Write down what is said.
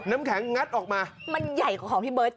น้ำแข็งงัดออกมามันใหญ่กว่าของพี่เบิร์ต